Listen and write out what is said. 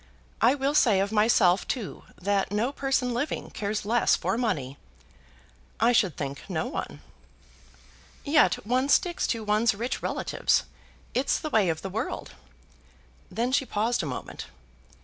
I will say of myself, too, that no person living cares less for money." "I should think no one." "Yet one sticks to one's rich relatives. It's the way of the world." Then she paused a moment.